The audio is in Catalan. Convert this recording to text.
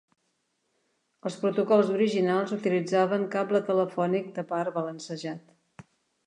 Els protocols originals utilitzaven cable telefònic de par balancejat.